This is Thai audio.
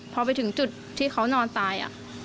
พอไปถึงจุดที่เขานอนตาย